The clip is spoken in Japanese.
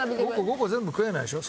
５個全部食えないでしょ？